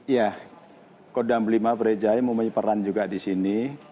ya kodam lima brawijaya memenyeberan juga di sini